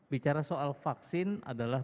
bicara soal vaksin adalah